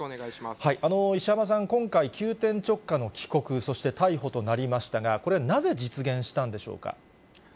石浜さん、今回、急転直下の帰国、そして逮捕となりましたが、これ、なぜ実現したんでしょうか。